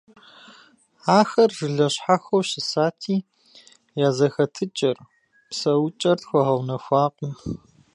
Ахэр жылэ щхьэхуэу щысати, я зэхэтыкӀэр, псэукӀэр тхуэгъэунэхуакъым.